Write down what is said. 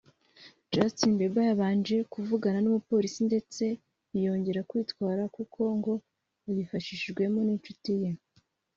Justin Bieber yabanje kuvugana n’umupolisi ndetse ntiyongera kwitwara kuko ngo yabifashijwemo n’inshuti ye